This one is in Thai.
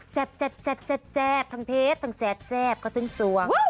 แซ่บทั้งเพชรทั้งแซ่บก็ต้องสวง